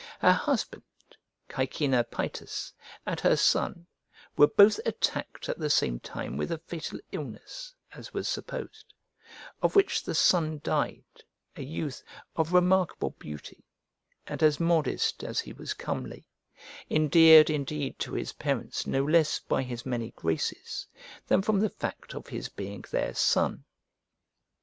Her husband Caecinna Paetus, and her son, were both attacked at the same time with a fatal illness, as was supposed; of which the son died, a youth of remarkable beauty, and as modest as he was comely, endeared indeed to his parents no less by his many graces than from the fact of his being their son.